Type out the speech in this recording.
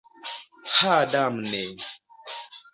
Ha damne!